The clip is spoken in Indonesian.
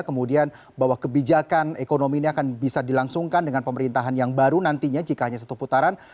kemudian bahwa kebijakan ekonomi ini akan bisa dilangsungkan dengan pemerintahan yang baru nantinya jika hanya satu putaran